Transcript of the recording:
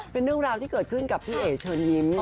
เป็นเรื่องราวที่เกิดขึ้นกับพี่เอ๋เชิญยิ้ม